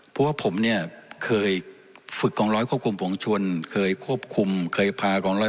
เพราะว่าผมเนี่ยเคยฝึกกองร้อยควบคุมฝวงชวนเคยควบคุมเคยพากองร้อย